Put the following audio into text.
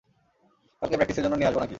কালকে প্র্যাকটিসের জন্য নিয়ে আসবো নাকি?